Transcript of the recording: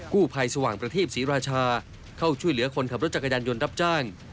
กู้ภัยสว่างประทีปศรีราชาเข้าช่วยเหลือคนขับรถจักรยานยนต์รับจ้าง